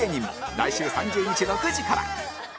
来週３０日６時から